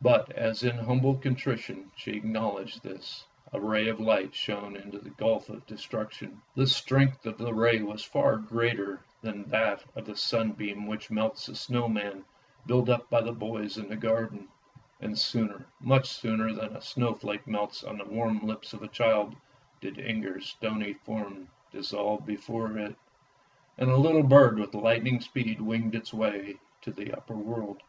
But as in humble contrition she acknowledged this, a ray of light shone into the gulf of destruction. The strength of the ray was far greater than that of the sunbeam which melts the snow man built up by the boys in the garden; and sooner, much sooner, than a snowflake melts on the warm lips of a child, did Inger's stony form dissolve before it, and a little bird with lightning speed winged its way to the upper world.